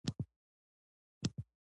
نهم په دندو کې د وړتیا اصل دی.